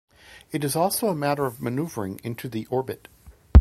It is also a matter of maneuvering into the orbit.